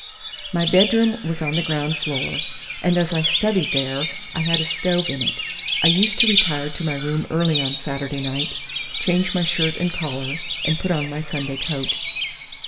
My bedroom was on the ground floor, and as I studied there, I had a stove in it. I used to retire to my room early on Saturday night, change my shirt and collar and put on my Sunday coat.